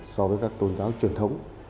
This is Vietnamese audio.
so với các tôn giáo truyền thống